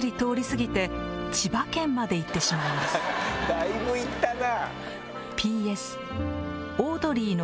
だいぶ行ったな！